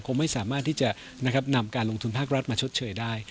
คงไม่สามารถที่จะนำการลงทุนภาครัฐมาชดเชยได้